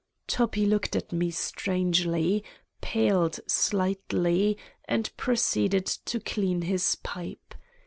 Toppi looked at me strangely, paled" slightly and proceeded to clean his pipe.